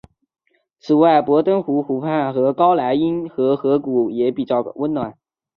此外博登湖湖畔和高莱茵河河谷也比较温暖。